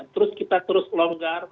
terus kita terus longgar